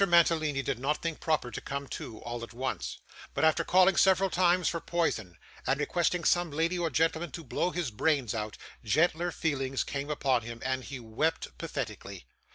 Mantalini did not think proper to come to, all at once; but, after calling several times for poison, and requesting some lady or gentleman to blow his brains out, gentler feelings came upon him, and he wept pathetically.